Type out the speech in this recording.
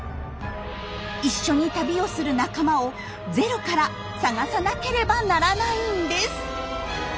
一緒に旅をする仲間をゼロから探さなければならないんです。